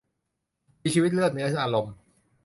มีชีวิต เลือดเนื้อ อารมณ์